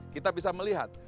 kita bisa melihat